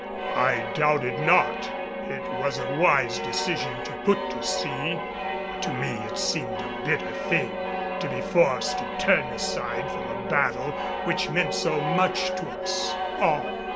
I doubted not, it was a wise decision to put to sea, but to me it seemed a bitter thing to be forced to turn aside from a battle which meant so much to us all.